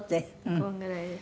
このぐらいです。